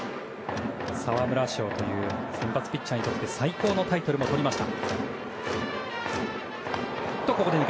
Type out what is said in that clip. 沢村賞という先発ピッチャーにとって最高のタイトルもとりました。